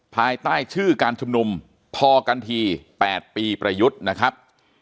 ภายใต้ชื่อการชุมนุมพอกันที๘ปีประยุทธ์นะครับ